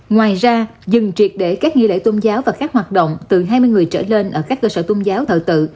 ngoài ra dừng triệt để các nghi lễ tôn giáo và các hoạt động từ hai mươi người trở lên ở các cơ sở tôn giáo thờ tự